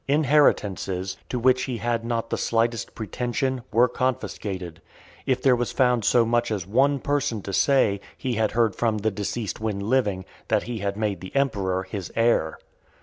Inheritances, to which he had not the slightest pretension, were confiscated, if there was found so much as one person to say, he had heard from the deceased when living, "that he had made the emperor his heir."